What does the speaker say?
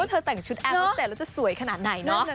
เพราะเธอแต่งชุดแอปแล้วแต่แล้วจะสวยขนาดไหนเนาะ